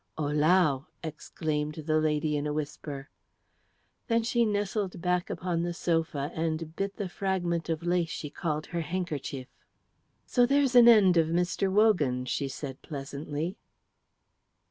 "Ohlau!" exclaimed the lady, in a whisper. Then she nestled back upon the sofa and bit the fragment of lace she called her handkerchief. "So there's an end of Mr. Wogan," she said pleasantly.